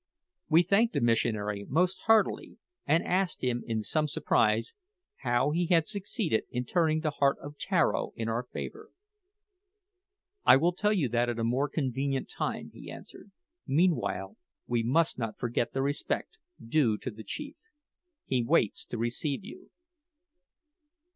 We thanked the missionary most heartily, and asked him, in some surprise, how he had succeeded in turning the heart of Tararo in our favour. "I will tell you that at a more convenient time," he answered, "meanwhile we must not forget the respect due to the chief. He waits to receive you."